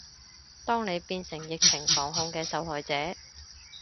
當你變成疫情防控嘅受害者